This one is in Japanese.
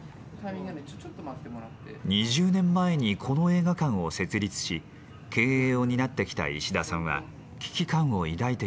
２０年前にこの映画館を設立し経営を担ってきた石田さんは危機感を抱いていました。